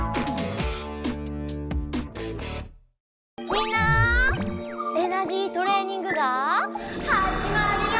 みんなエナジートレーニングがはじまるよ！